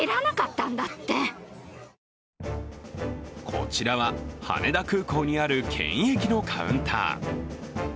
こちらは羽田空港にある検疫のカウンター。